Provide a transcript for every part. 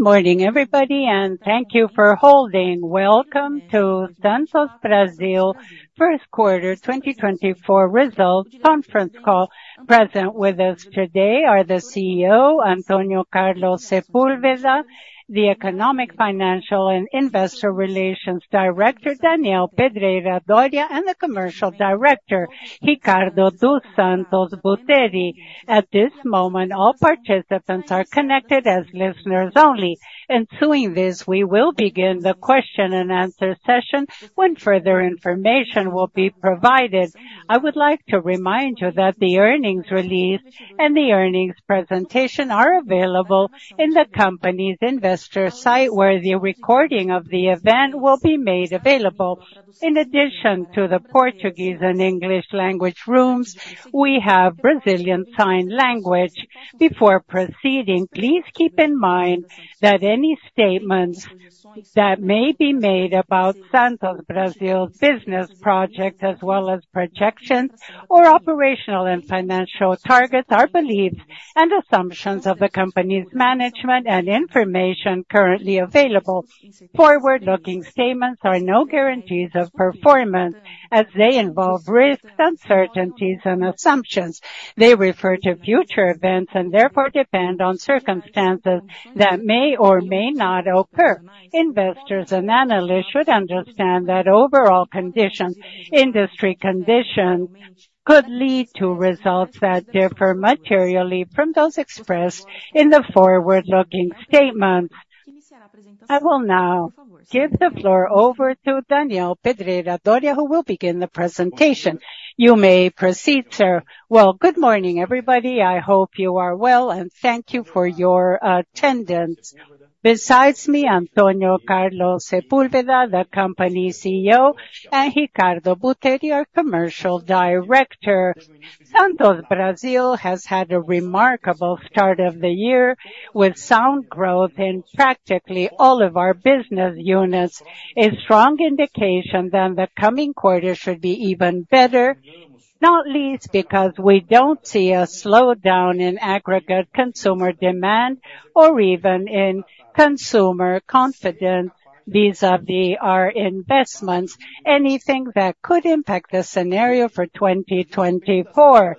Good morning, everybody, and thank you for holding. Welcome to Santos Brasil First Quarter 2024 Results Conference Call. Present with us today are the CEO, Antônio Carlos Sepúlveda; the Economic, Financial, and Investor Relations Director, Daniel Pedreira Dorea; and the Commercial Director, Ricardo dos Santos Buteri. At this moment, all participants are connected as listeners only. In doing this, we will begin the question-and-answer session when further information will be provided. I would like to remind you that the earnings release and the earnings presentation are available in the company's investor site, where the recording of the event will be made available. In addition to the Portuguese and English language rooms, we have Brazilian sign language. Before proceeding, please keep in mind that any statements that may be made about Santos Brasil's business project, as well as projections or operational and financial targets, are beliefs and assumptions of the company's management and information currently available. Forward-looking statements are no guarantees of performance, as they involve risks, uncertainties, and assumptions. They refer to future events and therefore depend on circumstances that may or may not occur. Investors and analysts should understand that overall conditions, industry conditions, could lead to results that differ materially from those expressed in the forward-looking statements. I will now give the floor over to Daniel Pedreira Dorea, who will begin the presentation. You may proceed, sir. Well, good morning, everybody. I hope you are well, and thank you for your attendance. Besides me, Antônio Carlos Sepúlveda, the company CEO, and Ricardo dos Santos Buteri, our Commercial Director. Santos Brasil has had a remarkable start of the year with sound growth in practically all of our business units, a strong indication that the coming quarter should be even better, not least because we don't see a slowdown in aggregate consumer demand or even in consumer confidence vis-à-vis our investments. Anything that could impact the scenario for 2024.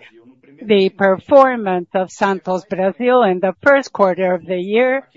The performance of Santos Brasil in the first quarter of the year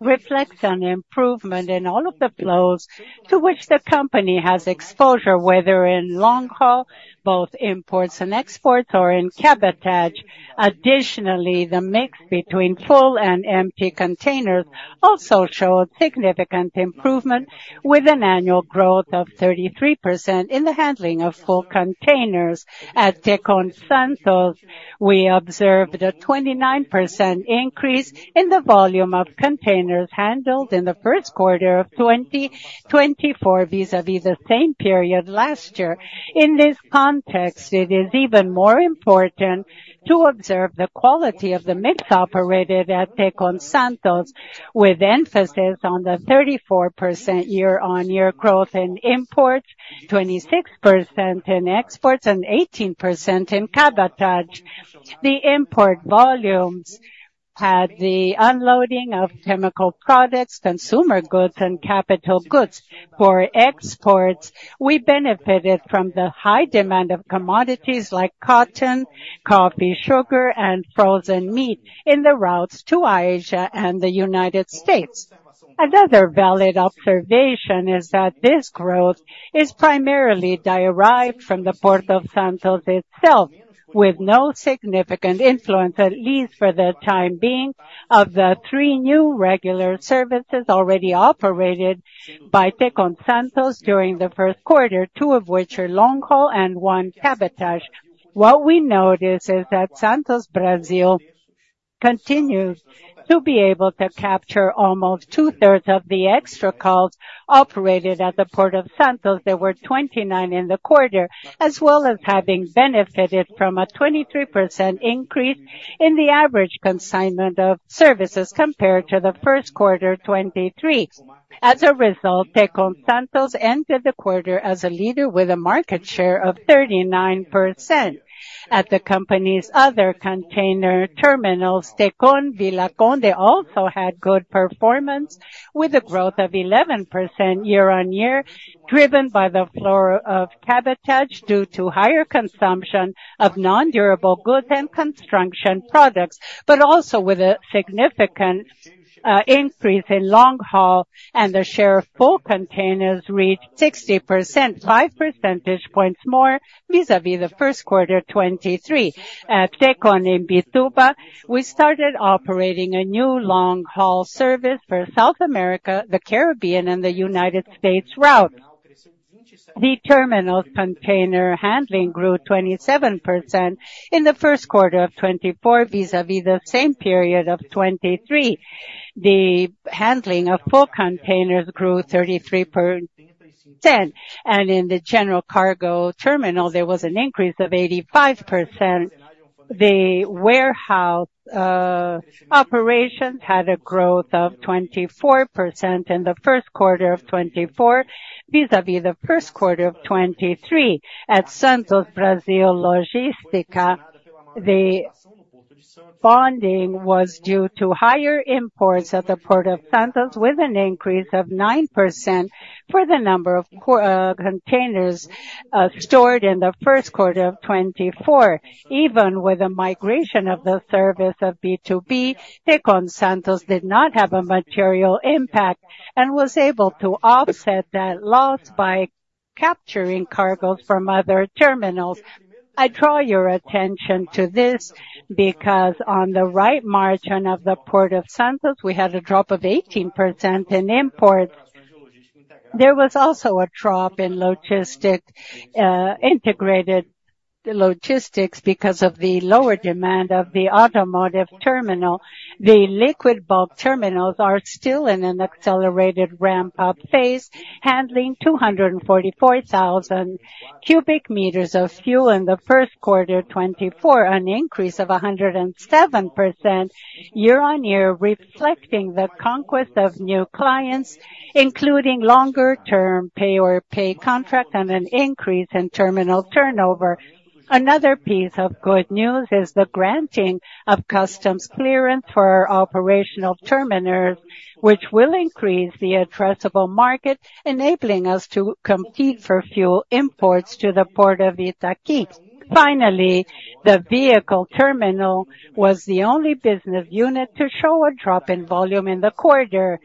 reflects an improvement in all of the flows to which the company has exposure, whether in long haul, both imports and exports, or in cabotage. Additionally, the mix between full and empty containers also showed significant improvement, with an annual growth of 33% in the handling of full containers. At Tecon Santos, we observed a 29% increase in the volume of containers handled in the first quarter of 2024 vis-à-vis the same period last year. In this context, it is even more important to observe the quality of the mix operated at Tecon Santos, with emphasis on the 34% year-over-year growth in imports, 26% in exports, and 18% in cabotage. The import volumes had the unloading of chemical products, consumer goods, and capital goods. For exports, we benefited from the high demand of commodities like cotton, coffee, sugar, and frozen meat in the routes to Asia and the United States. Another valid observation is that this growth is primarily derived from the Port of Santos itself, with no significant influence, at least for the time being, of the three new regular services already operated by Tecon Santos during the first quarter, two of which are long haul and one cabotage. What we notice is that Santos Brasil continued to be able to capture almost two-thirds of the extra calls operated at the Port of Santos, there were 29 in the quarter, as well as having benefited from a 23% increase in the average consignment of services compared to the first quarter, 2023. As a result, Tecon Santos ended the quarter as a leader with a market share of 39%. At the company's other container terminals, Tecon Vila do Conde also had good performance, with a growth of 11% year-on-year, driven by the flow of cabotage due to higher consumption of non-durable goods and construction products, but also with a significant increase in long haul, and the share of full containers reached 60%, five percentage points more vis-à-vis the first quarter, 2023. At Tecon Imbituba, we started operating a new long haul service for South America, the Caribbean, and the United States routes. The terminal's container handling grew 27% in the first quarter of 2024 vis-à-vis the same period of 2023. The handling of full containers grew 33%, and in the general cargo terminal, there was an increase of 85%. The warehouse operations had a growth of 24% in the first quarter of 2024 vis-à-vis the first quarter of 2023. At Santos Brasil Logística, the bonding was due to higher imports at the Port of Santos, with an increase of 9% for the number of containers stored in the first quarter of 2024. Even with the migration of the service of BTP, Tecon Santos did not have a material impact and was able to offset that loss by capturing cargoes from other terminals. I draw your attention to this because on the right margin of the Port of Santos, we had a drop of 18% in imports. There was also a drop in integrated logistics because of the lower demand of the automotive terminal. The liquid bulk terminals are still in an accelerated ramp-up phase, handling 244,000 cubic meters of fuel in the first quarter, 2024, an increase of 107% year-on-year, reflecting the conquest of new clients, including longer-term take-or-pay contracts and an increase in terminal turnover. Another piece of good news is the granting of customs clearance for our operational terminals, which will increase the addressable market, enabling us to compete for fuel imports to the Port of Itaqui. Finally, the vehicle terminal was the only business unit to show a drop in volume in the quarter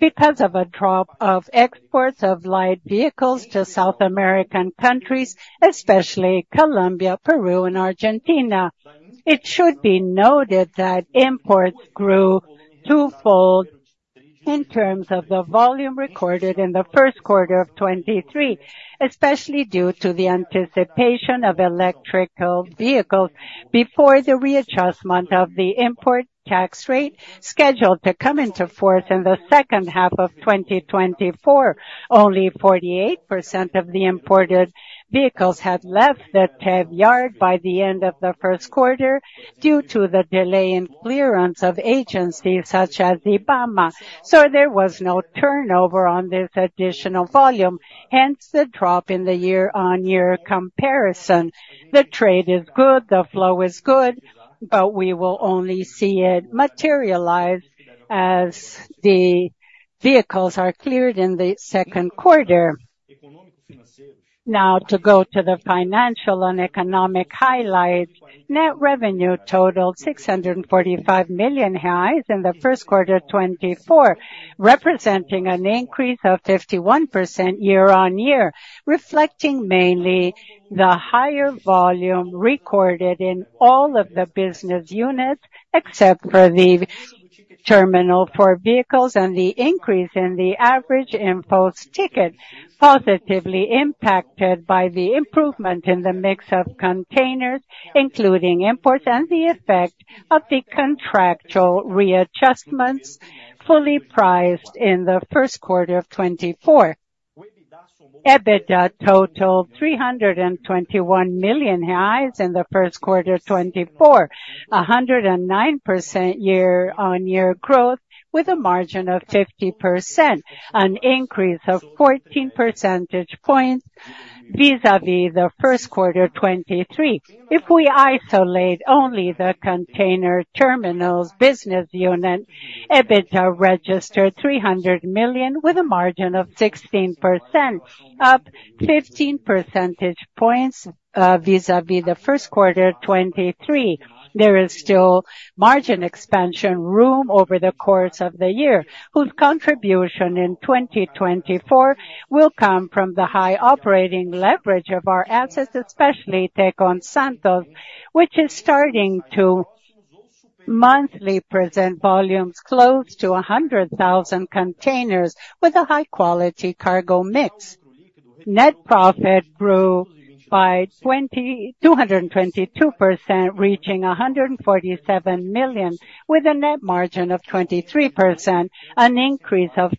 because of a drop of exports of light vehicles to South American countries, especially Colombia, Peru, and Argentina. It should be noted that imports grew twofold in terms of the volume recorded in the first quarter of 2023, especially due to the anticipation of electric vehicles. Before the readjustment of the import tax rate scheduled to come into force in the second half of 2024, only 48% of the imported vehicles had left the TEV yard by the end of the first quarter due to the delay in clearance of agencies such as IBAMA. So there was no turnover on this additional volume, hence the drop in the year-on-year comparison. The trade is good, the flow is good, but we will only see it materialize as the vehicles are cleared in the second quarter. Now, to go to the financial and economic highlights. Net revenue totaled 645 million in the first quarter 2024, representing an increase of 51% year-on-year, reflecting mainly the higher volume recorded in all of the business units, except for the terminal for vehicles, and the increase in the average import ticket, positively impacted by the improvement in the mix of containers, including imports, and the effect of the contractual readjustments fully priced in the first quarter of 2024. EBITDA totaled 321 million in the first quarter 2024, 109% year-on-year growth, with a margin of 50%, an increase of 14 percentage points vis-à-vis the first quarter 2023. If we isolate only the container terminals business unit, EBITDA registered 300 million, with a margin of 16%, up 15 percentage points vis-à-vis the first quarter, 2023. There is still margin expansion room over the course of the year, whose contribution in 2024 will come from the high operating leverage of our assets, especially Tecon Santos, which is starting to monthly present volumes close to 100,000 containers, with a high-quality cargo mix. Net profit grew by 222%, reaching 147 million, with a net margin of 23%, an increase of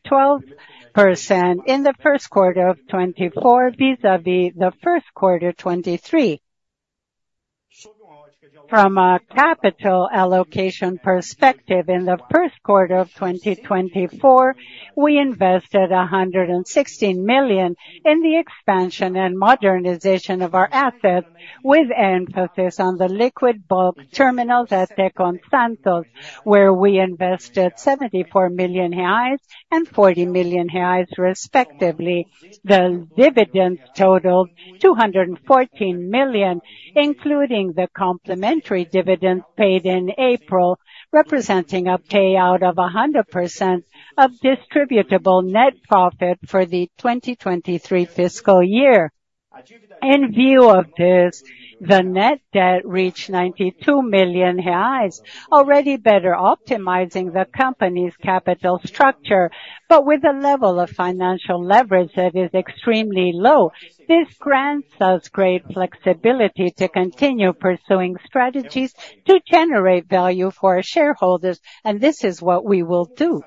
12% in the first quarter of 2024 vis-à-vis the first quarter, 2023. From a capital allocation perspective, in the first quarter of 2024, we invested 116 million in the expansion and modernization of our assets, with emphasis on the liquid bulk terminals at Tecon Santos, where we invested 74 million reais and 40 million reais, respectively. The dividends totaled 214 million, including the complementary dividends paid in April, representing a payout of 100% of distributable net profit for the 2023 fiscal year. In view of this, the net debt reached 92 million reais, already better optimizing the company's capital structure, but with a level of financial leverage that is extremely low. This grants us great flexibility to continue pursuing strategies to generate value for our shareholders, and this is what we will do.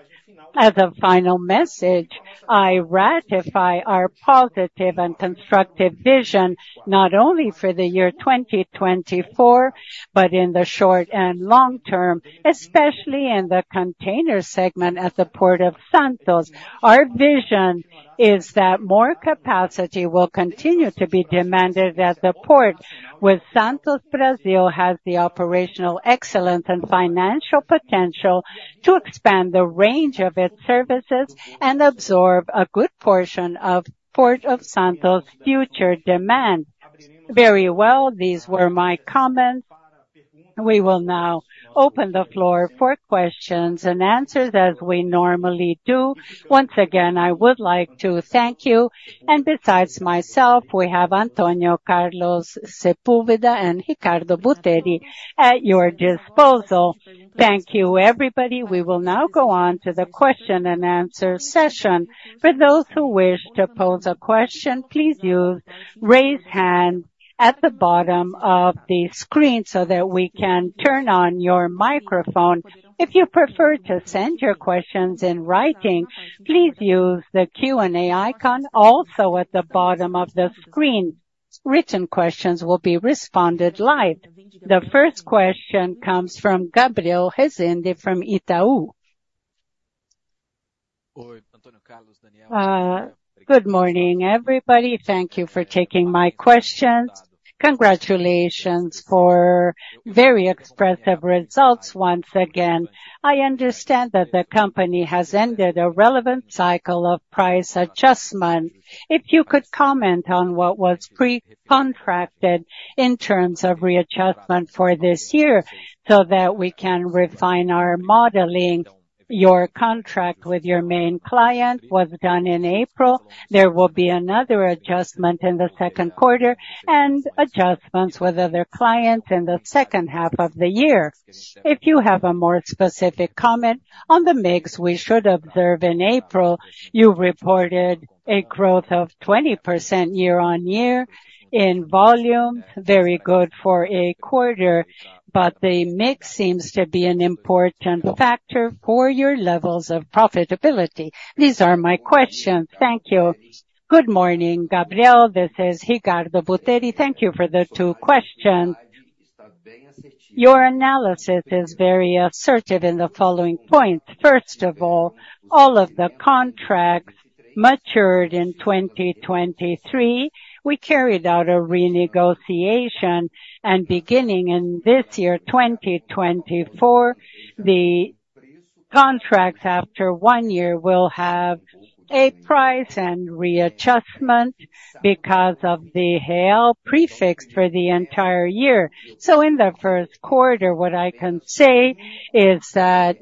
As a final message, I ratify our positive and constructive vision, not only for the year 2024, but in the short and long term, especially in the container segment at the Port of Santos. Our vision is that more capacity will continue to be demanded at the port, with Santos Brasil having the operational excellence and financial potential to expand the range of its services and absorb a good portion of Port of Santos' future demand. Very well, these were my comments. We will now open the floor for questions and answers as we normally do. Once again, I would like to thank you. Besides myself, we have Antônio Carlos Sepúlveda and Ricardo Buteri at your disposal. Thank you, everybody. We will now go on to the question and answer session. For those who wish to pose a question, please use the raise hand at the bottom of the screen so that we can turn on your microphone. If you prefer to send your questions in writing, please use the Q&A icon also at the bottom of the screen. Written questions will be responded live. The first question comes from Gabriel Rezende from Itaú. Good morning, everybody. Thank you for taking my questions. Congratulations for very expressive results. Once again, I understand that the company has ended a relevant cycle of price adjustments. If you could comment on what was pre-contracted in terms of readjustment for this year so that we can refine our modeling? Your contract with your main client was done in April. There will be another adjustment in the second quarter and adjustments with other clients in the second half of the year. If you have a more specific comment on the mix we should observe in April, you reported a growth of 20% year-on-year in volumes, very good for a quarter, but the mix seems to be an important factor for your levels of profitability. These are my questions. Thank you. Good morning, Gabriel. This is Ricardo Buteri. Thank you for the 2 questions. Your analysis is very assertive in the following points. First of all, all of the contracts matured in 2023. We carried out a renegotiation, and beginning in this year, 2024, the contracts after one year will have a price and readjustment because of the Reais pre-fixed for the entire year. So in the first quarter, what I can say is that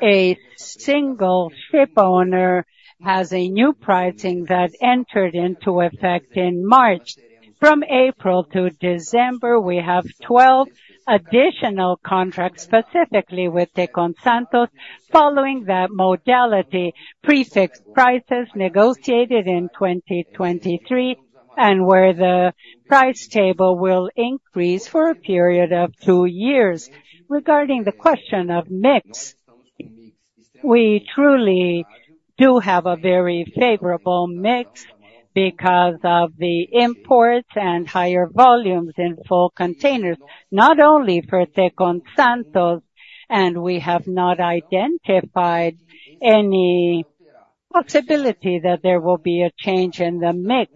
a single ship owner has a new pricing that entered into effect in March. From April to December, we have 12 additional contracts, specifically with Tecon Santos, following that modality prefix prices negotiated in 2023 and where the price table will increase for a period of two years. Regarding the question of mix, we truly do have a very favorable mix because of the imports and higher volumes in full containers, not only for Tecon Santos, and we have not identified any possibility that there will be a change in the mix.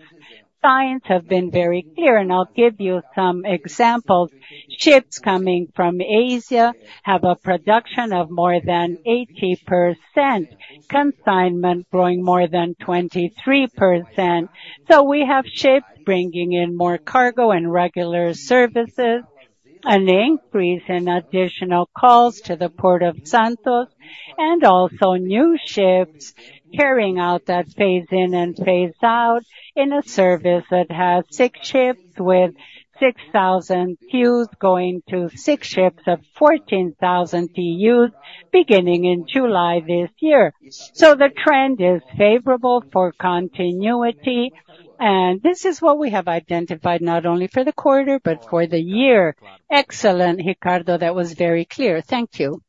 Signs have been very clear, and I'll give you some examples. Ships coming from Asia have a production of more than 80%, consignment growing more than 23%. So we have ships bringing in more cargo and regular services, an increase in additional calls to the Port of Santos, and also new ships carrying out that phase-in and phase-out in a service that has six ships with 6,000 TEUs going to six ships of 14,000 TEUs beginning in July this year. So the trend is favorable for continuity, and this is what we have identified not only for the quarter but for the year. Excellent, Ricardo. That was very clear. Thank you.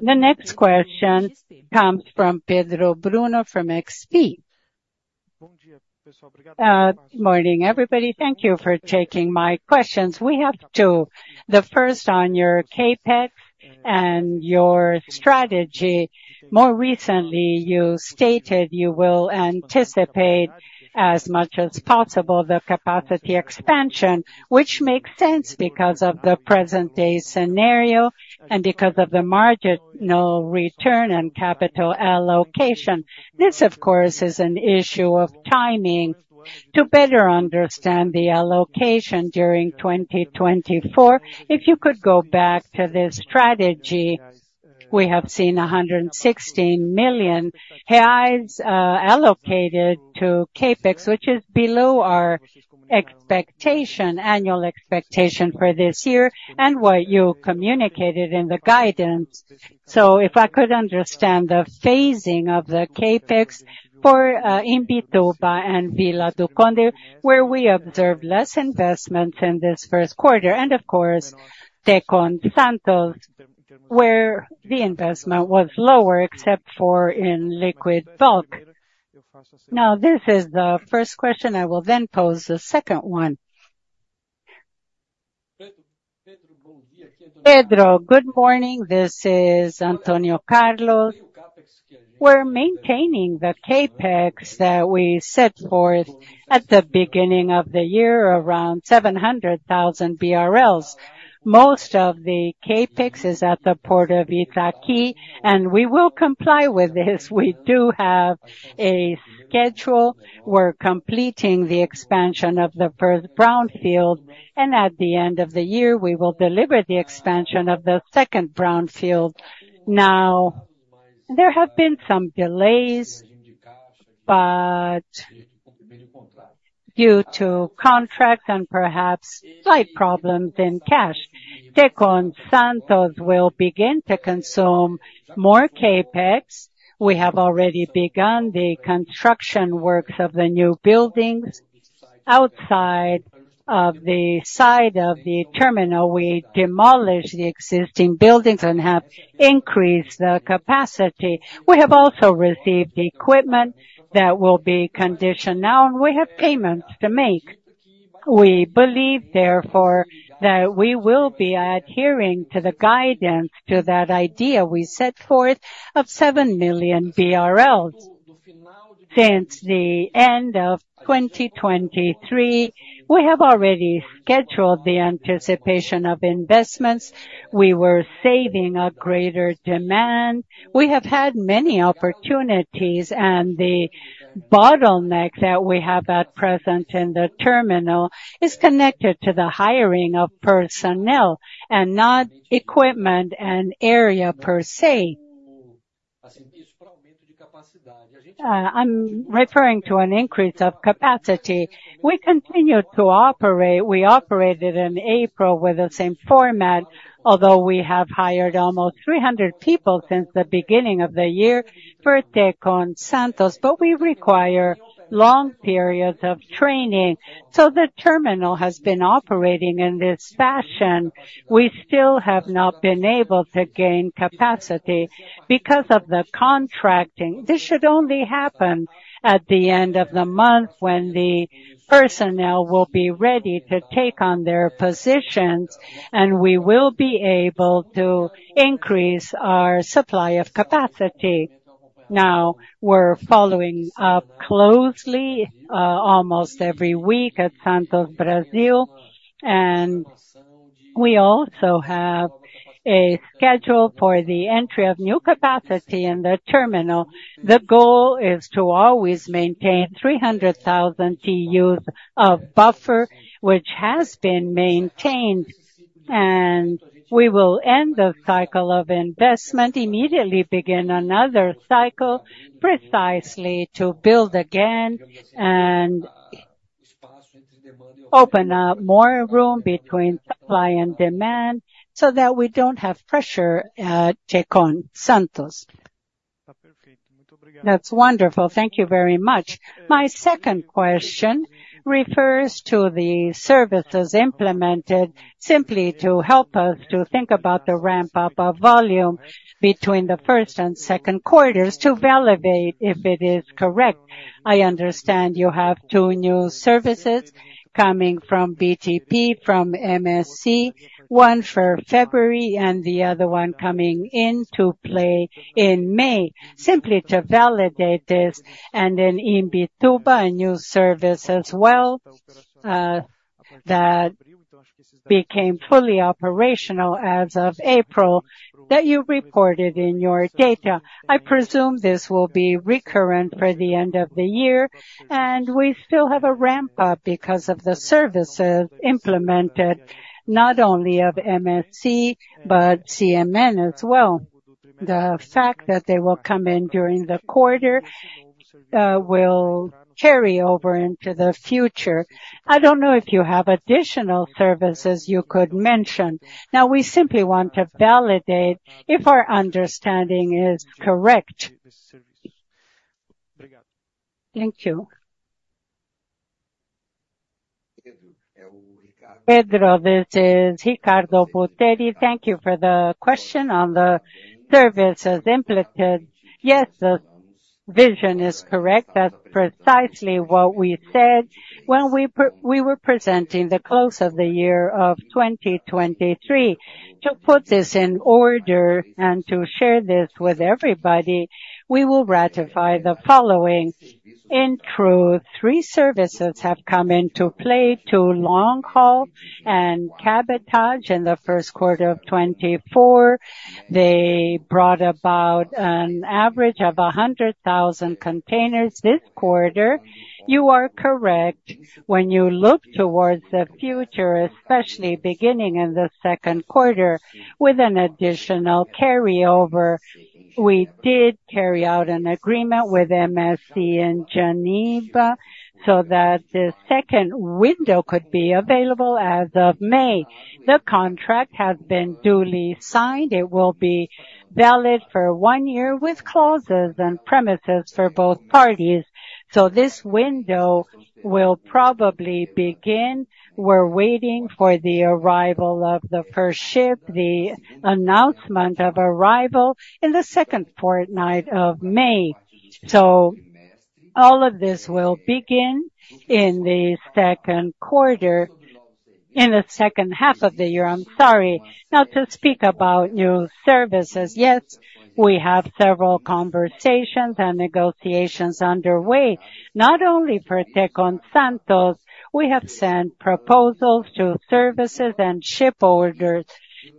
The next question comes from Pedro Bruno from XP. Good morning, everybody. Thank you for taking my questions. We have two. The first on your CapEx and your strategy. More recently, you stated you will anticipate as much as possible the capacity expansion, which makes sense because of the present-day scenario and because of the marginal return and capital allocation. This, of course, is an issue of timing. To better understand the allocation during 2024, if you could go back to this strategy, we have seen 116 million reais allocated to CapEx, which is below our expectation, annual expectation for this year and what you communicated in the guidance. So if I could understand the phasing of the CapEx for Imbituba and Vila do Conde, where we observed less investments in this first quarter, and of course, Tecon Santos, where the investment was lower except for in liquid bulk. Now, this is the first question. I will then pose the second one. Pedro, good morning. This is Antônio Carlos. We're maintaining the CapEx that we set forth at the beginning of the year, around 700,000 BRL. Most of the CapEx is at the Port of Itaqui, and we will comply with this. We do have a schedule. We're completing the expansion of the first brownfield, and at the end of the year, we will deliver the expansion of the second brownfield. Now, there have been some delays due to contracts and perhaps slight problems in cash. Tecon Santos will begin to consume more CapEx. We have already begun the construction works of the new buildings. Outside of the terminal, we demolished the existing buildings and have increased the capacity. We have also received equipment that will be conditioned now, and we have payments to make. We believe, therefore, that we will be adhering to the guidance, to that idea we set forth of 7 million BRL. Since the end of 2023, we have already scheduled the anticipation of investments. We were saving a greater demand. We have had many opportunities, and the bottleneck that we have at present in the terminal is connected to the hiring of personnel and not equipment and area per se. I'm referring to an increase of capacity. We continue to operate. We operated in April with the same format, although we have hired almost 300 people since the beginning of the year for Tecon Santos. But we require long periods of training. So the terminal has been operating in this fashion. We still have not been able to gain capacity because of the contracting. This should only happen at the end of the month when the personnel will be ready to take on their positions, and we will be able to increase our supply of capacity. Now, we're following up closely almost every week at Santos Brasil, and we also have a schedule for the entry of new capacity in the terminal. The goal is to always maintain 300,000 TEUs of buffer, which has been maintained, and we will end the cycle of investment, immediately begin another cycle precisely to build again and open up more room between supply and demand so that we don't have pressure at Tecon Santos. That's wonderful. Thank you very much. My second question refers to the services implemented simply to help us to think about the ramp-up of volume between the first and second quarters to validate if it is correct. I understand you have 2 new services coming from BTP, from MSC, 1 for February and the other 1 coming into play in May. Simply to validate this, and then Imbituba, a new service as well that became fully operational as of April that you reported in your data. I presume this will be recurrent for the end of the year, and we still have a ramp-up because of the services implemented not only of MSC but CMN as well. The fact that they will come in during the quarter will carry over into the future. I don't know if you have additional services you could mention. Now, we simply want to validate if our understanding is correct. Thank you. Pedro, this is Ricardo Buteri. Thank you for the question on the services implicated. Yes, the vision is correct. That's precisely what we said when we were presenting the close of the year of 2023. To put this in order and to share this with everybody, we will ratify the following. In truth, three services have come into play: two long-haul and cabotage in the first quarter of 2024. They brought about an average of 100,000 containers this quarter. You are correct. When you look towards the future, especially beginning in the second quarter with an additional carryover, we did carry out an agreement with MSC and Geneva so that the second window could be available as of May. The contract has been duly signed. It will be valid for one year with clauses and premises for both parties. So this window will probably begin. We're waiting for the arrival of the first ship, the announcement of arrival in the second fortnight of May. So all of this will begin in the second quarter, in the second half of the year. I'm sorry. Now, to speak about new services, yes, we have several conversations and negotiations underway. Not only for Tecon Santos, we have sent proposals to services and ship orders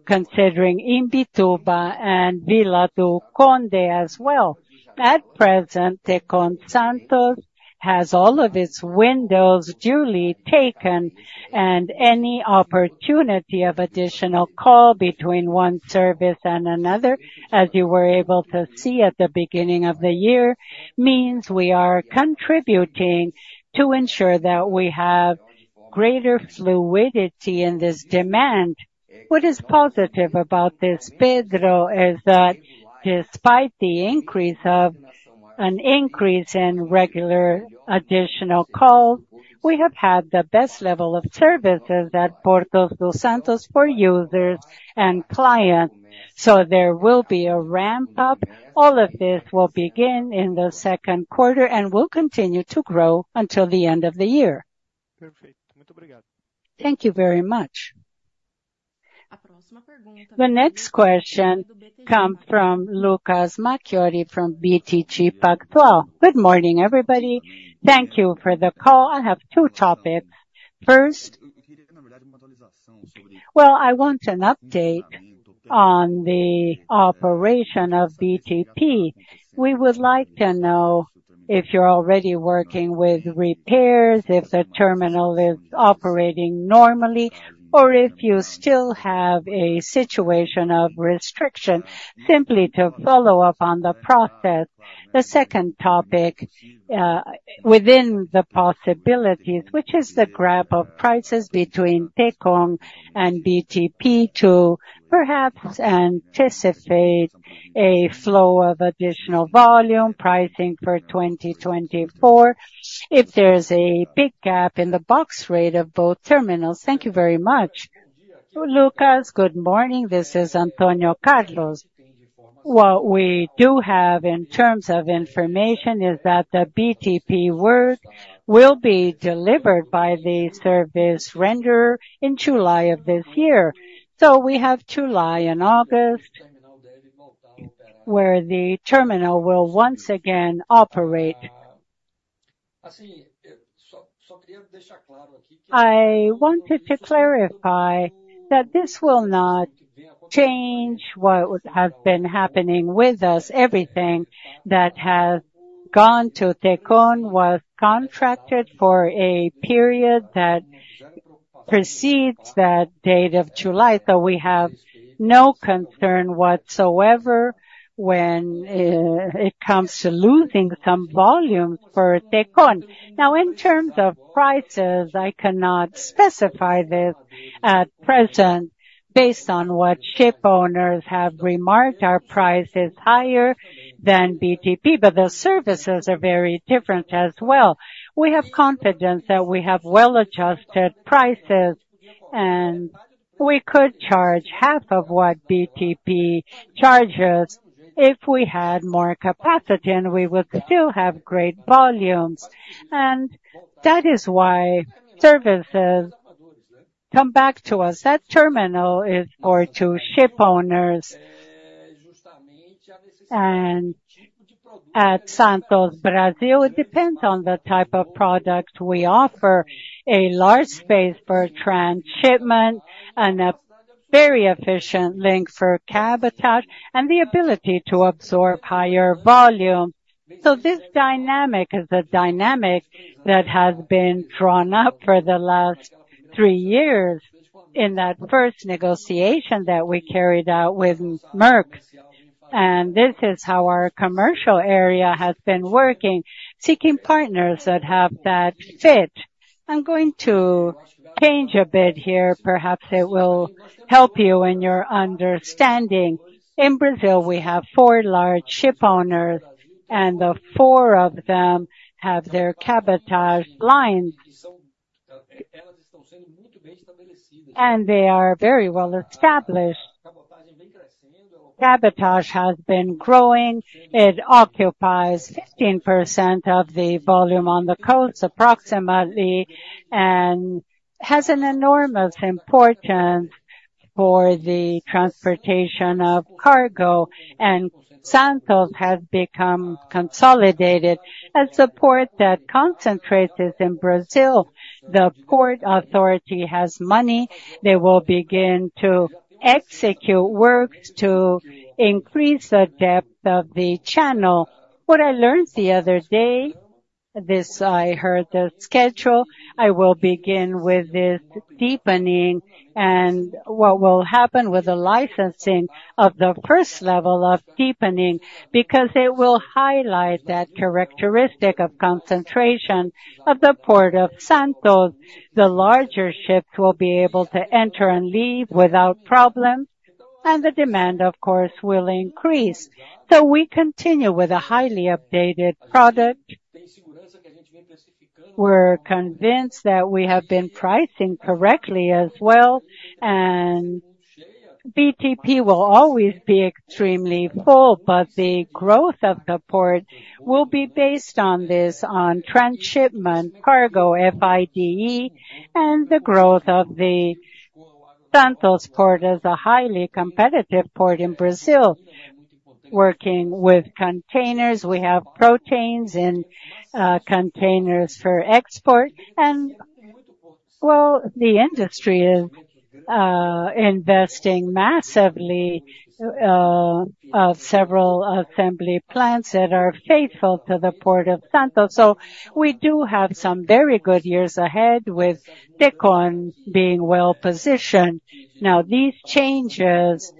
considering Imbituba and Vila do Conde as well. At present, Tecon Santos has all of its windows duly taken, and any opportunity of additional call between one service and another, as you were able to see at the beginning of the year, means we are contributing to ensure that we have greater fluidity in this demand. What is positive about this, Pedro, is that despite the increase of an increase in regular additional calls, we have had the best level of services at Port of Santos for users and clients. So there will be a ramp-up. All of this will begin in the second quarter and will continue to grow until the end of the year. Thank you very much. The next question comes from Lucas Marquiori from BTG Pactual. Good morning, everybody. Thank you for the call. I have two topics. First, well, I want an update on the operation of BTP. We would like to know if you're already working with repairs, if the terminal is operating normally, or if you still have a situation of restriction. Simply to follow up on the process. The second topic within the possibilities, which is the gap of prices between Tecon and BTP, to perhaps anticipate a flow of additional volume pricing for 2024 if there's a big gap in the box rate of both terminals. Thank you very much. Lucas, good morning. This is Antônio Carlos. What we do have in terms of information is that the BTP work will be delivered by the service renderer in July of this year. So we have July and August where the terminal will once again operate. I wanted to clarify that this will not change what has been happening with us. Everything that has gone to Tecon was contracted for a period that precedes that date of July, so we have no concern whatsoever when it comes to losing some volume for Tecon. Now, in terms of prices, I cannot specify this at present based on what ship owners have remarked. Our price is higher than BTP, but the services are very different as well. We have confidence that we have well-adjusted prices, and we could charge half of what BTP charges if we had more capacity, and we would still have great volumes. That is why services come back to us. That terminal is for two ship owners. At Santos Brasil, it depends on the type of product we offer. A large space for transshipment, a very efficient link for cabotage, and the ability to absorb higher volume. This dynamic is a dynamic that has been drawn up for the last three years in that first negotiation that we carried out with Maersk. This is how our commercial area has been working, seeking partners that have that fit. I'm going to change a bit here. Perhaps it will help you in your understanding. In Brazil, we have four large ship owners, and the four of them have their cabotage lines. They are very well established. Cabotage has been growing. It occupies 15% of the volume on the coast approximately and has an enormous importance for the transportation of cargo. Santos has become consolidated as support that concentrates in Brazil, the port authority has money. They will begin to execute works to increase the depth of the channel. What I learned the other day, this I heard the schedule, I will begin with this deepening and what will happen with the licensing of the first level of deepening because it will highlight that characteristic of concentration of the Port of Santos. The larger ships will be able to enter and leave without problems, and the demand, of course, will increase. We continue with a highly updated product. We're convinced that we have been pricing correctly as well, and BTP will always be extremely full, but the growth of the port will be based on this, on transshipment, cargo, feeder, and the growth of the Santos port as a highly competitive port in Brazil, working with containers. We have proteins in containers for export, and, well, the industry is investing massively of several assembly plants that are faithful to the port of Santos. We do have some very good years ahead with Tecon being well-positioned. Now, these changes,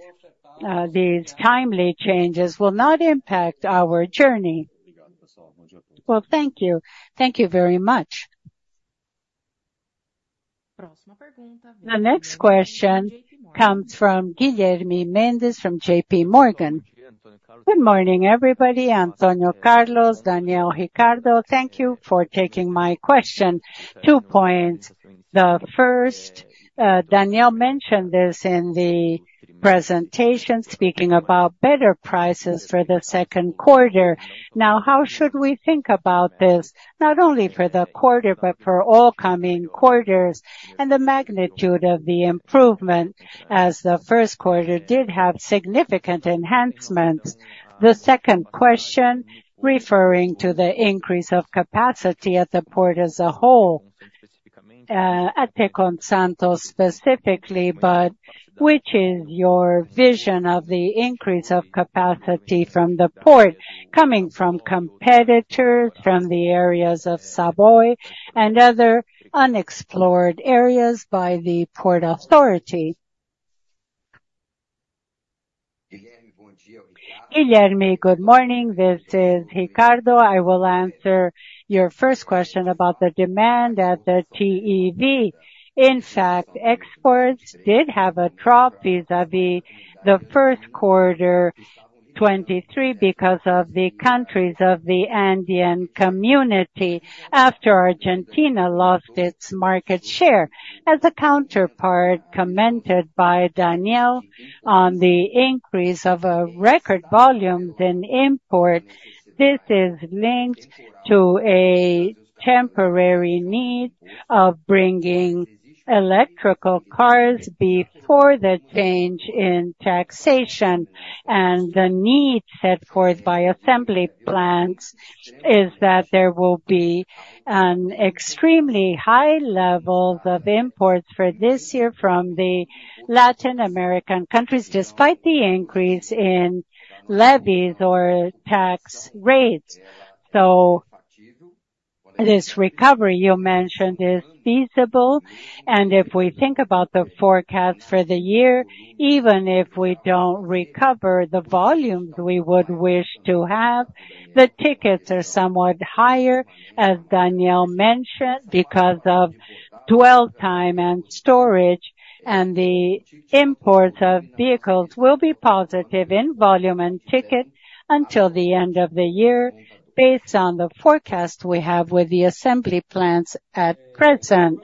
these timely changes will not impact our journey. Well, thank you. Thank you very much. The next question comes from Guilherme Mendes from JPMorgan. Good morning, everybody. Antônio Carlos, Daniel, Ricardo, thank you for taking my question. Two points. The first, Daniel mentioned this in the presentation speaking about better prices for the second quarter. Now, how should we think about this, not only for the quarter but for all coming quarters and the magnitude of the improvement as the first quarter did have significant enhancements? The second question, referring to the increase of capacity at the port as a whole, at Tecon Santos specifically, but which is your vision of the increase of capacity from the port coming from competitors, from the areas of Saboó and other unexplored areas by the port authority? Guilherme, good morning. This is Ricardo. I will answer your first question about the demand at the TEV. In fact, exports did have a drop vis-à-vis the first quarter 2023 because of the countries of the Andean community after Argentina lost its market share. As a counterpart commented by Daniel on the increase of record volumes in imports, this is linked to a temporary need of bringing electric cars before the change in taxation. The need set forth by assembly plants is that there will be extremely high levels of imports for this year from the Latin American countries despite the increase in levies or tax rates. This recovery you mentioned is feasible. If we think about the forecast for the year, even if we don't recover the volumes we would wish to have, the tickets are somewhat higher, as Daniel mentioned, because of dwell time and storage, and the imports of vehicles will be positive in volume and ticket until the end of the year based on the forecast we have with the assembly plants at present.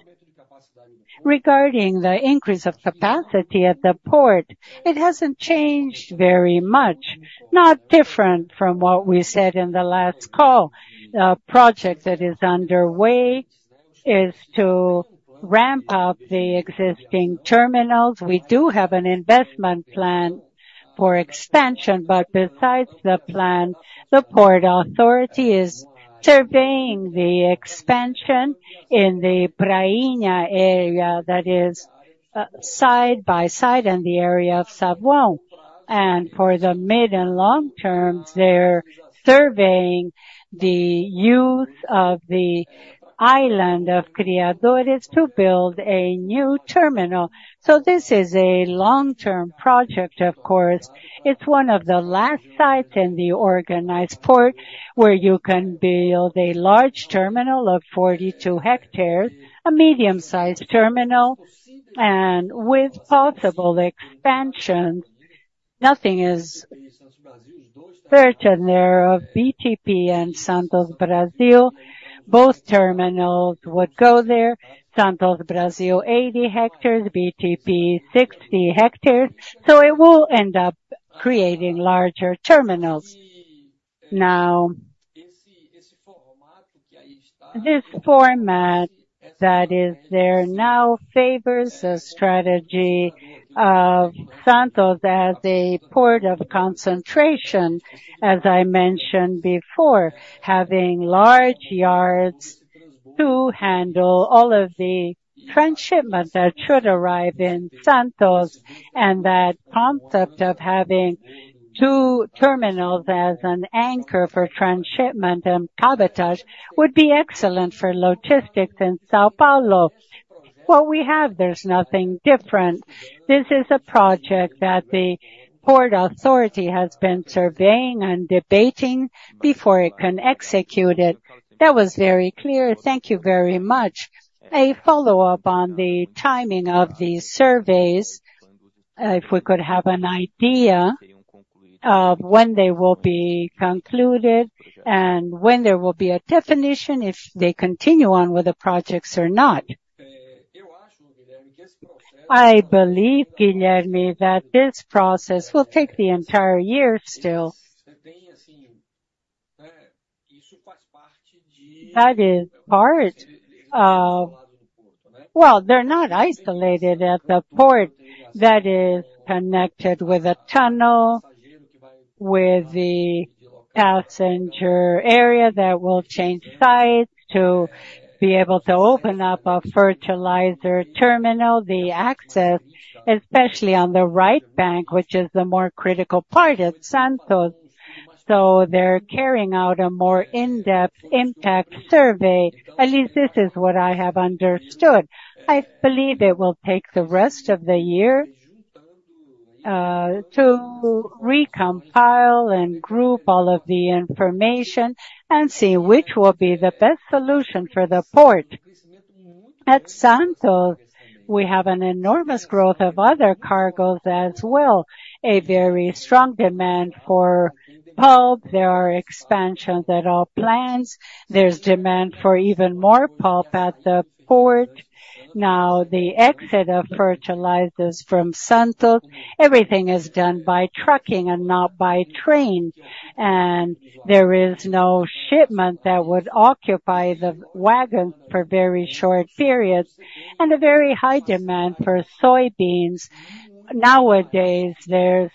Regarding the increase of capacity at the port, it hasn't changed very much, not different from what we said in the last call. The project that is underway is to ramp up the existing terminals. We do have an investment plan for expansion, but besides the plan, the port authority is surveying the expansion in the Prainha area, that is side by side, and the area of Saboó. For the mid and long term, they're surveying the use of the Ilha dos Criadores to build a new terminal. So this is a long-term project, of course. It's one of the last sites in the organized port where you can build a large terminal of 42 hectares, a medium-sized terminal, and with possible expansions. Nothing is certain there of BTP and Santos Brasil. Both terminals would go there. Santos Brasil, 80 hectares; BTP, 60 hectares. So it will end up creating larger terminals. Now, this format that is there now favors the strategy of Santos as a port of concentration, as I mentioned before, having large yards to handle all of the transshipment that should arrive in Santos. And that concept of having two terminals as an anchor for transshipment and cabotage would be excellent for logistics in São Paulo. What we have, there's nothing different. This is a project that the port authority has been surveying and debating before it can execute it. That was very clear. Thank you very much. A follow-up on the timing of these surveys, if we could have an idea of when they will be concluded and when there will be a definition if they continue on with the projects or not? I believe, Guilherme, that this process will take the entire year still. That is part of, well, they're not isolated at the port that is connected with a tunnel with the passenger area that will change sites to be able to open up a fertilizer terminal. The access, especially on the right bank, which is the more critical part at Santos. So they're carrying out a more in-depth impact survey. At least this is what I have understood. I believe it will take the rest of the year to recompile and group all of the information and see which will be the best solution for the port. At Santos, we have an enormous growth of other cargoes as well, a very strong demand for pulp. There are expansions at all plans. There's demand for even more pulp at the port. Now, the exit of fertilizers from Santos, everything is done by trucking and not by train. And there is no shipment that would occupy the wagons for very short periods and a very high demand for soybeans. Nowadays, there's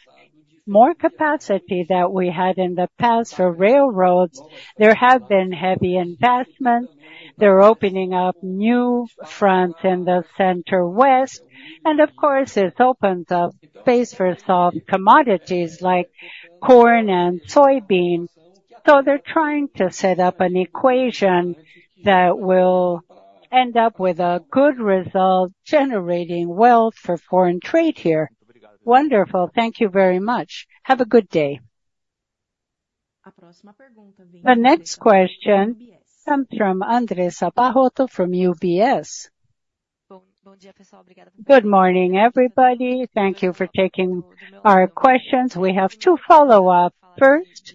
more capacity than we had in the past for railroads. There have been heavy investments. They're opening up new fronts in the center-west. And, of course, it opens up space for soft commodities like corn and soybeans. So they're trying to set up an equation that will end up with a good result generating wealth for foreign trade here. Wonderful. Thank you very much. Have a good day. The next question comes from Andressa Varotto from UBS. Good morning, everybody. Thank you for taking our questions. We have two follow-ups. First,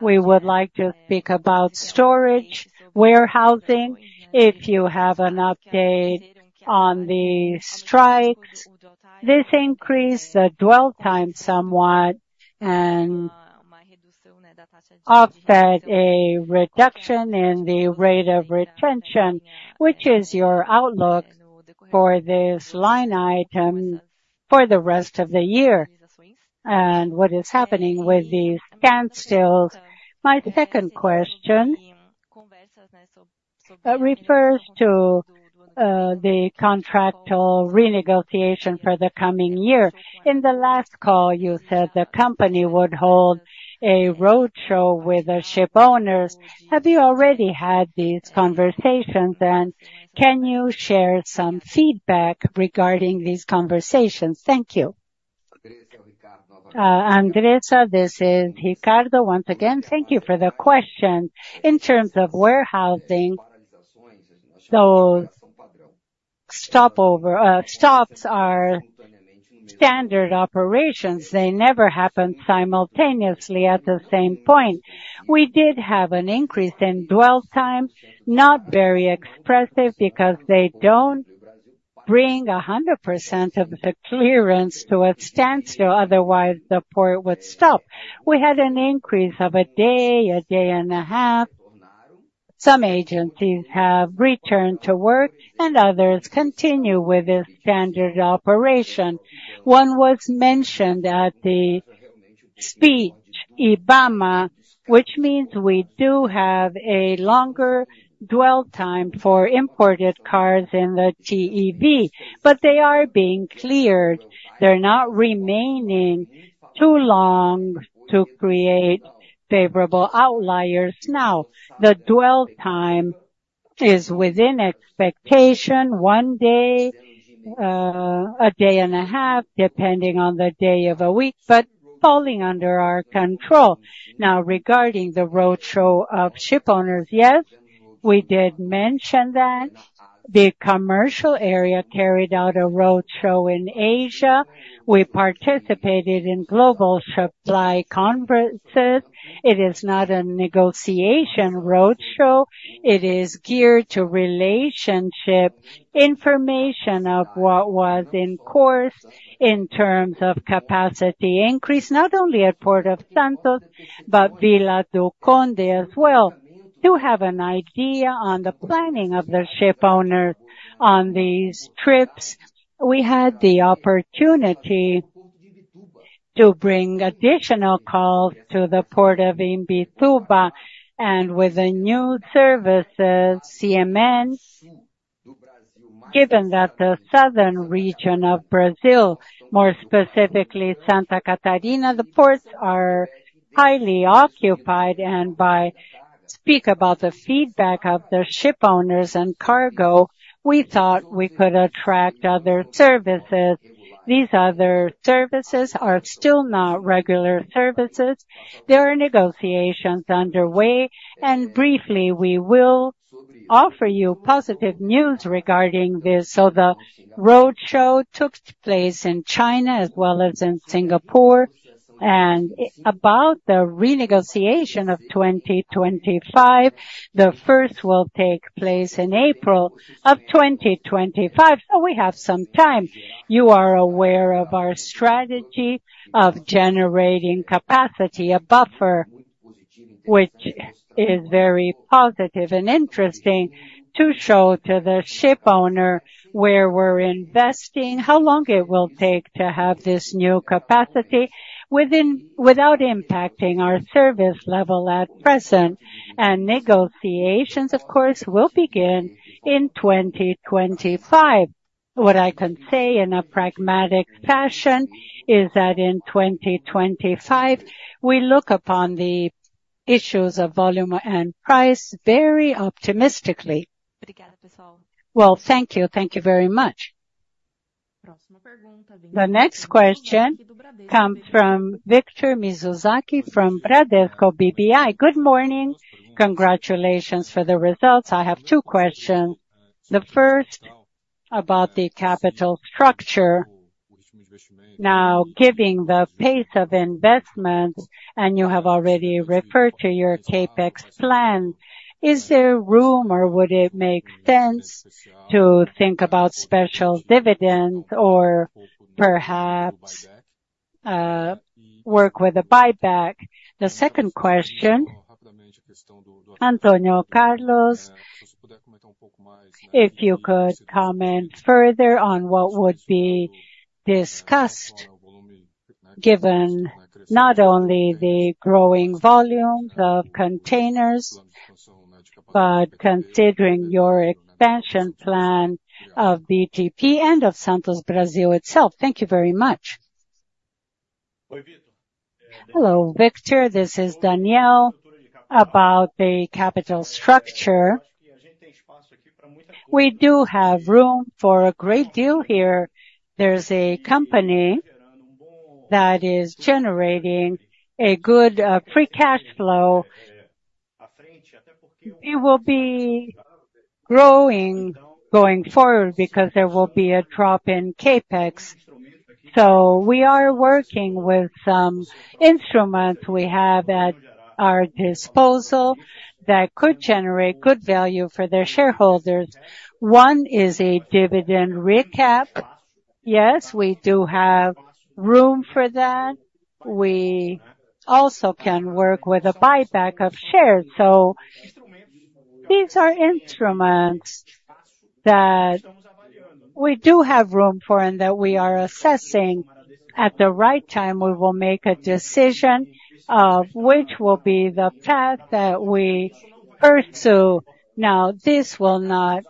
we would like to speak about storage, warehousing, if you have an update on the strikes. This increased the dwell time somewhat and offset a reduction in the rate of retention, which is your outlook for this line item for the rest of the year and what is happening with these canned stills. My second question refers to the contractual renegotiation for the coming year. In the last call, you said the company would hold a roadshow with the ship owners. Have you already had these conversations, and can you share some feedback regarding these conversations? Thank you. Andressa, this is Ricardo once again. Thank you for the question. In terms of warehousing, those stops are standard operations. They never happen simultaneously at the same point. We did have an increase in dwell time, not very expressive because they don't bring 100% of the clearance to a standstill. Otherwise, the port would stop. We had an increase of a day, a day and a half. Some agencies have returned to work, and others continue with this standard operation. One was mentioned in the speech, IBAMA, which means we do have a longer dwell time for imported cars in the TEV, but they are being cleared. They're not remaining too long to create unfavorable outliers now. The dwell time is within expectation, one day, a day and a half, depending on the day of the week, but falling under our control. Now, regarding the roadshow of ship owners, yes, we did mention that. The commercial area carried out a roadshow in Asia. We participated in global supply conferences. It is not a negotiation roadshow. It is geared to relationship information of what was in course in terms of capacity increase, not only at Port of Santos but Vila do Conde as well, to have an idea on the planning of the ship owners on these trips. We had the opportunity to bring additional calls to the port of Imbituba, and with the new services, CMA CGM, given that the southern region of Brazil, more specifically Santa Catarina, the ports are highly occupied. And by speaking about the feedback of the ship owners and cargo, we thought we could attract other services. These other services are still not regular services. There are negotiations underway. And briefly, we will offer you positive news regarding this. So the roadshow took place in China as well as in Singapore. And about the renegotiation of 2025, the first will take place in April of 2025. So we have some time. You are aware of our strategy of generating capacity, a buffer, which is very positive and interesting to show to the ship owner where we're investing, how long it will take to have this new capacity without impacting our service level at present. And negotiations, of course, will begin in 2025. What I can say in a pragmatic fashion is that in 2025, we look upon the issues of volume and price very optimistically. Well, thank you. Thank you very much. The next question comes from Victor Mizusaki from Bradesco BBI. Good morning. Congratulations for the results. I have two questions. The first about the capital structure. Now, given the pace of investments, and you have already referred to your CapEx plan, is there room or would it make sense to think about special dividends or perhaps work with a buyback? The second question, Antônio Carlos, if you could comment further on what would be discussed given not only the growing volumes of containers but considering your expansion plan of BTP and of Santos Brasil itself. Thank you very much. Hello, Victor. This is Daniel about the capital structure. We do have room for a great deal here. There's a company that is generating a good pre-cash flow. It will be growing going forward because there will be a drop in CapEx. So we are working with some instruments we have at our disposal that could generate good value for their shareholders. One is a dividend recap. Yes, we do have room for that. We also can work with a buyback of shares. So these are instruments that we do have room for and that we are assessing. At the right time, we will make a decision of which will be the path that we pursue. Now, this will not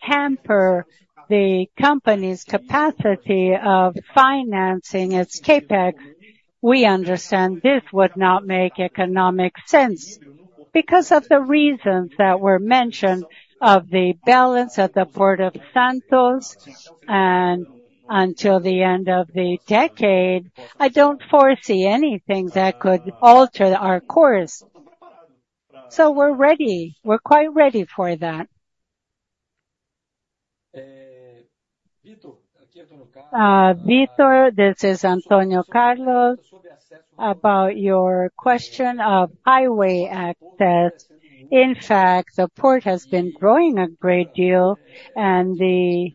hamper the company's capacity of financing its CapEx. We understand this would not make economic sense because of the reasons that were mentioned of the balance at the Port of Santos. And until the end of the decade, I don't foresee anything that could alter our course. So we're ready. We're quite ready for that. Victor, this is Antônio Carlos about your question of highway access. In fact, the port has been growing a great deal, and the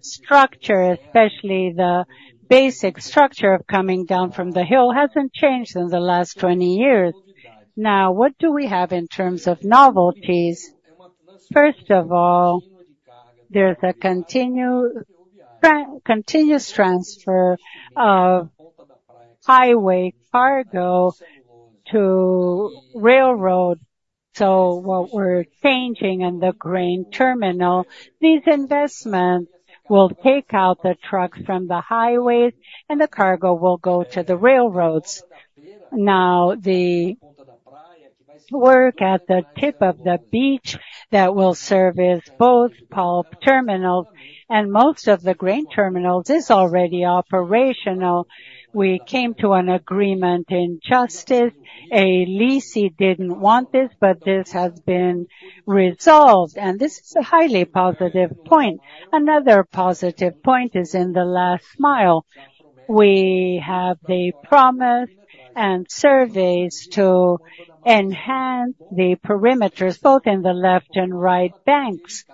structure, especially the basic structure of coming down from the hill, hasn't changed in the last 20 years. Now, what do we have in terms of novelties? First of all, there's a continuous transfer of highway cargo to railroad. So what we're changing in the grain terminal, these investments will take out the trucks from the highways, and the cargo will go to the railroads. Now, the work at the tip of the beach that will service both pulp terminals and most of the grain terminals is already operational. We came to an agreement in justice. A lessee didn't want this, but this has been resolved. And this is a highly positive point. Another positive point is in the last mile. We have the promise and surveys to enhance the perimeters both in the left and right banks.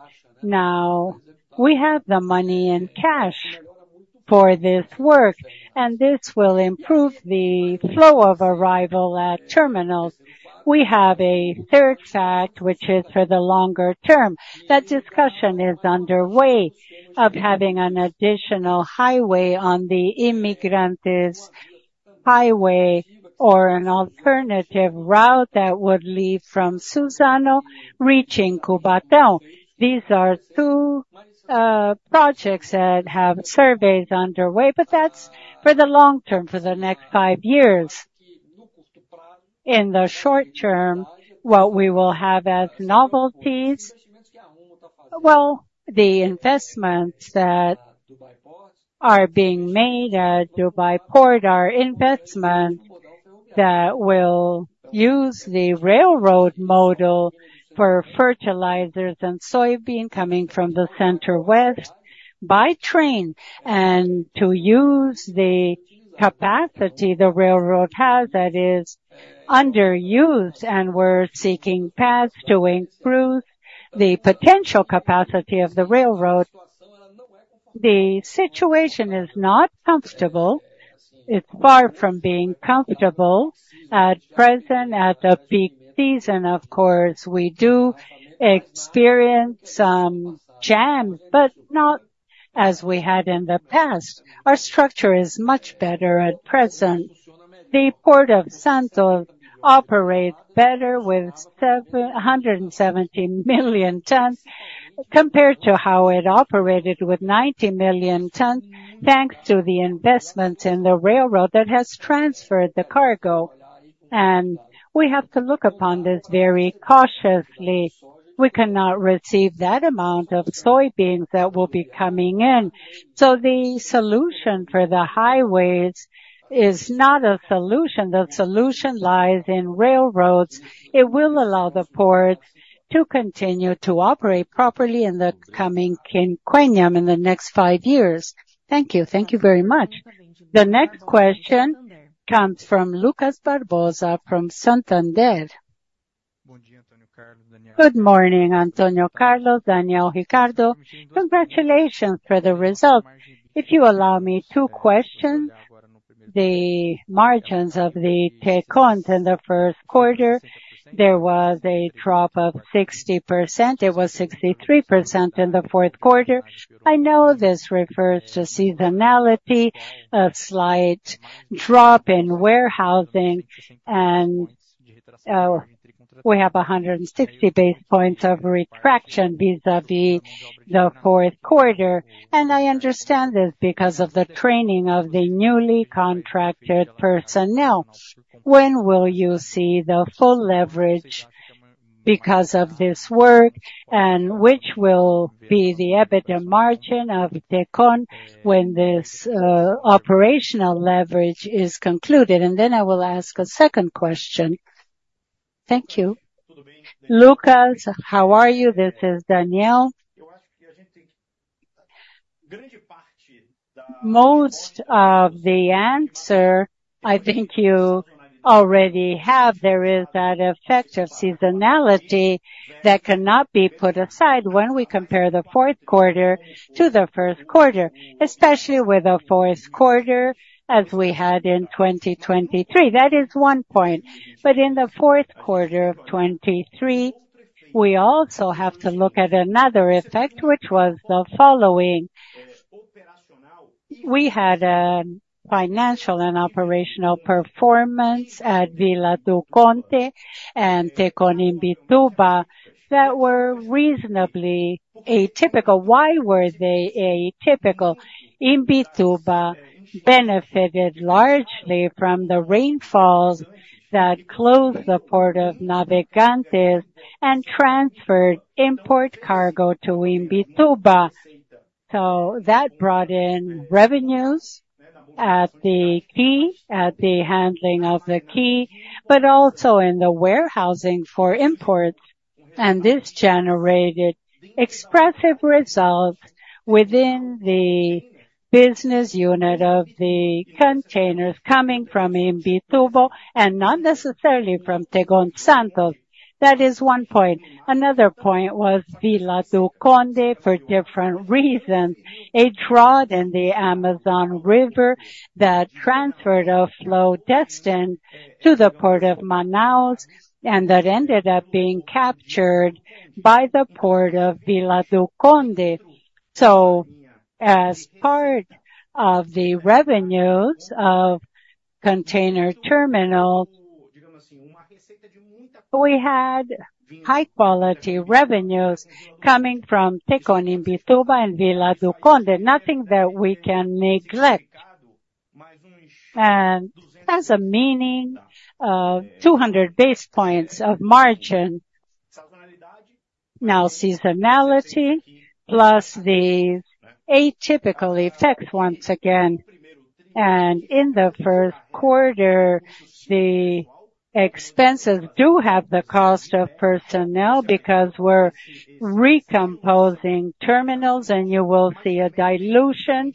Now, we have the money in cash for this work, and this will improve the flow of arrival at terminals. We have a third fact, which is for the longer term. That discussion is underway of having an additional highway on the Imigrantes Highway or an alternative route that would leave from Suzano reaching Cubatão. These are two projects that have surveys underway, but that's for the long term, for the next five years. In the short term, what we will have as novelties, well, the investments that are being made at Dubai Port are investments that will use the railroad model for fertilizers and soybeans coming from the center-west by train and to use the capacity the railroad has that is underused. We're seeking paths to improve the potential capacity of the railroad. The situation is not comfortable. It's far from being comfortable at present. At the peak season, of course, we do experience some jams, but not as we had in the past. Our structure is much better at present. The Port of Santos operates better with 170 million tons compared to how it operated with 90 million tons thanks to the investments in the railroad that has transferred the cargo. We have to look upon this very cautiously. We cannot receive that amount of soybeans that will be coming in. The solution for the highways is not a solution. The solution lies in railroads. It will allow the ports to continue to operate properly in the coming quinquennium in the next five years. Thank you. Thank you very much. The next question comes from Lucas Barbosa from Santander. Good morning, Antônio Carlos, Daniel, Ricardo. Congratulations for the results. If you allow me, two questions. The margins of the Tecons in the first quarter, there was a drop of 60%. It was 63% in the fourth quarter. I know this refers to seasonality, a slight drop in warehousing, and we have 160 basis points of retraction vis-à-vis the fourth quarter. I understand this because of the training of the newly contracted personnel. When will you see the full leverage because of this work, and which will be the EBITDA margin of TECON when this operational leverage is concluded? Then I will ask a second question. Thank you. Lucas, how are you? This is Daniel. Most of the answer I think you already have. There is that effect of seasonality that cannot be put aside when we compare the fourth quarter to the first quarter, especially with the fourth quarter as we had in 2023. That is one point. In the fourth quarter of 2023, we also have to look at another effect, which was the following: We had financial and operational performance at Vila do Conde and Tecon Imbituba that were reasonably atypical. Why were they atypical? Imbituba benefited largely from the rainfalls that closed the port of Navegantes and transferred import cargo to Imbituba. So that brought in revenues at the quay, at the handling of the quay, but also in the warehousing for imports. And this generated expressive results within the business unit of the containers coming from Imbituba and not necessarily from Tecon Santos. That is one point. Another point was Vila do Conde for different reasons, a drawdown in the Amazon River that transferred a flow destined to the port of Manaus and that ended up being captured by the port of Vila do Conde. So as part of the revenues of container terminals, we had high-quality revenues coming from Tecon Imbituba and Vila do Conde, nothing that we can neglect. And that's a meaning of 200 basis points of margin. Now, seasonality plus the atypical effects once again. And in the first quarter, the expenses do have the cost of personnel because we're recomposing terminals, and you will see a dilution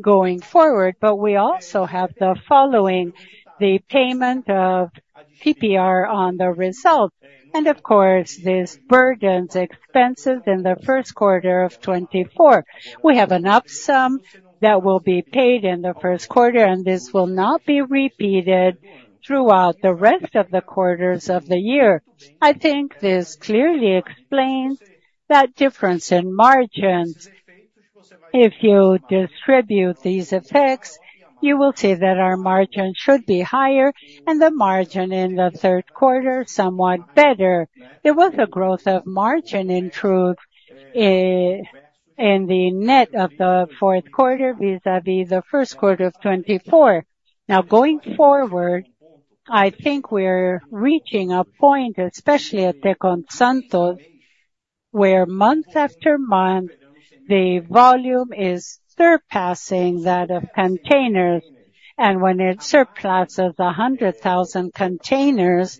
going forward. But we also have the following, the payment of PPR on the results. And of course, this burdens expenses in the first quarter of 2024. We have a lump sum that will be paid in the first quarter, and this will not be repeated throughout the rest of the quarters of the year. I think this clearly explains that difference in margins. If you distribute these effects, you will see that our margins should be higher and the margin in the third quarter somewhat better. There was a growth of margin in truth in the net of the fourth quarter vis-à-vis the first quarter of 2024. Now, going forward, I think we're reaching a point, especially at Tecon Santos, where month after month the volume is surpassing that of containers. And when it surpasses 100,000 containers,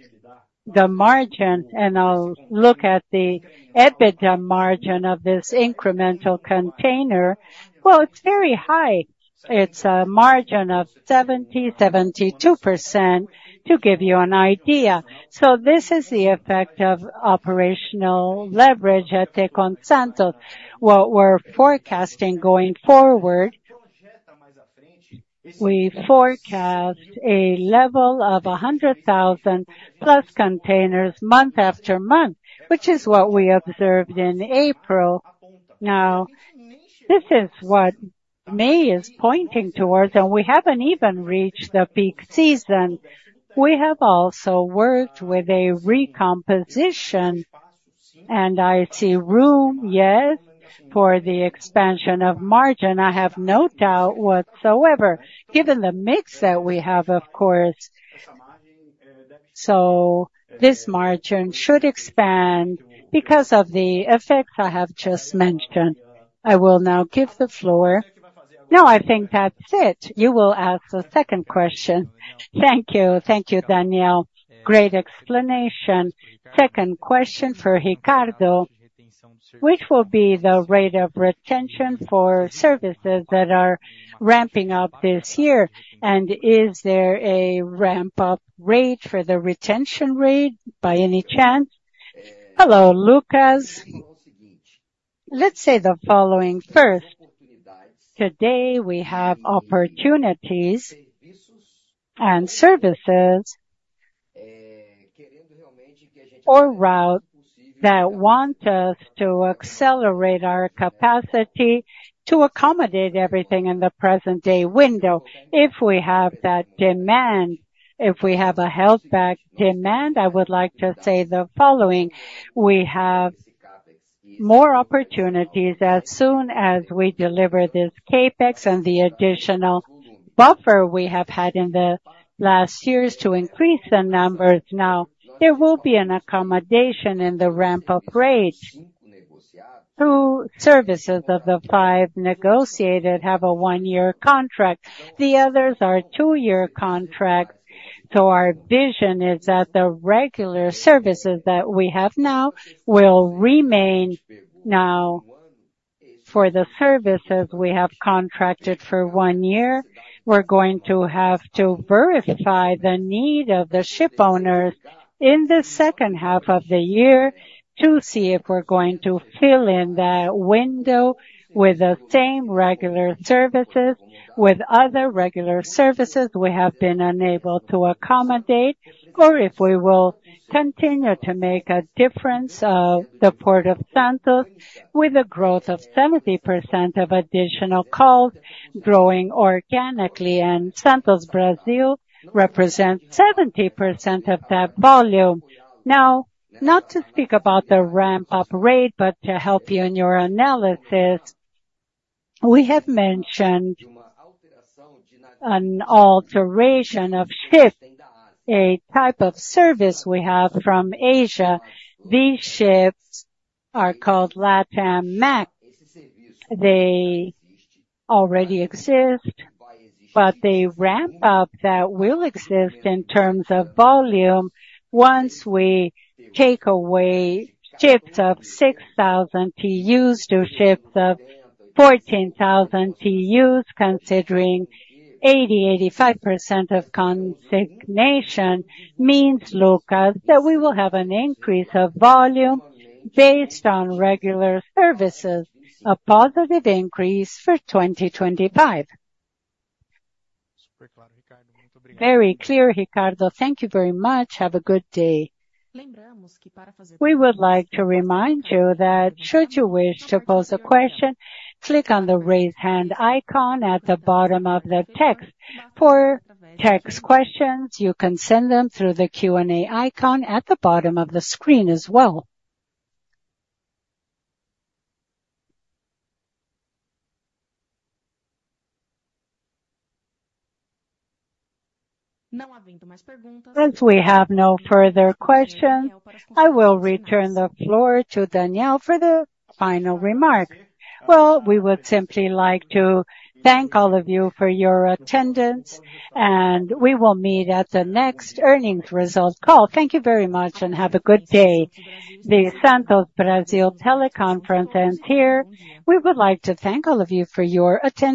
the margin, and I'll look at the EBITDA margin of this incremental container, well, it's very high. It's a margin of 70%-72% to give you an idea. So this is the effect of operational leverage at Tecon Santos. What we're forecasting going forward, we forecast a level of 100,000+ containers month after month, which is what we observed in April. Now, this is what May is pointing towards, and we haven't even reached the peak season. We have also worked with a recomposition, and I see room, yes, for the expansion of margin. I have no doubt whatsoever, given the mix that we have, of course. So this margin should expand because of the effects I have just mentioned. I will now give the floor. No, I think that's it. You will ask the second question. Thank you. Thank you, Daniel. Great explanation. Second question for Ricardo, which will be the rate of retention for services that are ramping up this year? And is there a ramp-up rate for the retention rate by any chance? Hello, Lucas. Let's say the following first. Today, we have opportunities and services or routes that want us to accelerate our capacity to accommodate everything in the present-day window. If we have that demand, if we have a health-backed demand, I would like to say the following. We have more opportunities as soon as we deliver this CapEx and the additional buffer we have had in the last years to increase the numbers. Now, there will be an accommodation in the ramp-up rate. 2 services of the 5 negotiated have a one-year contract. The others are two-year contracts. So our vision is that the regular services that we have now will remain. Now, for the services we have contracted for one year, we're going to have to verify the need of the shipowners in the second half of the year to see if we're going to fill in that window with the same regular services, with other regular services we have been unable to accommodate, or if we will continue to make a difference of the Port of Santos with a growth of 70% of additional calls growing organically. And Santos Brasil represents 70% of that volume. Now, not to speak about the ramp-up rate, but to help you in your analysis, we have mentioned an alteration of shifts, a type of service we have from Asia. These shifts are called Latam-Mac. They already exist, but they ramp up that will exist in terms of volume once we take away shifts of 6,000 TEUs to shifts of 14,000 TEUs, considering 80%-85% of consignment. Means, Lucas, that we will have an increase of volume based on regular services, a positive increase for 2025. Very clear, Ricardo. Thank you very much. Have a good day. We would like to remind you that should you wish to pose a question, click on the raise hand icon at the bottom of the text. For text questions, you can send them through the Q&A icon at the bottom of the screen as well. Since we have no further questions, I will return the floor to Daniel for the final remarks. Well, we would simply like to thank all of you for your attendance, and we will meet at the next earnings result call. Thank you very much and have a good day. The Santos Brasil Teleconference ends here. We would like to thank all of you for your attention.